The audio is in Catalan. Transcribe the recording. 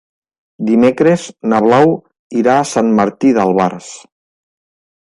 Dimecres na Blau irà a Sant Martí d'Albars.